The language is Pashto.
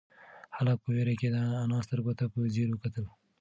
هلک په وېره کې د انا سترگو ته په ځير وکتل.